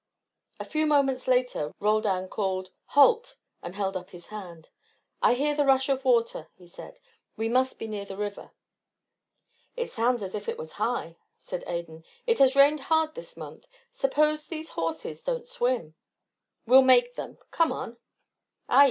A few moments later Roldan called: "Halt!" and held up his hand. "I hear the rush of the water," he said. "We must be near the river." "It sounds as if it was high," said Adan. "It has rained hard this month. Suppose these horses don't swim?" "We'll make them. Come on." "Ay!